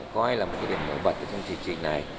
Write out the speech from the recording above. có ai là một cái điểm nổi bật trong chương trình này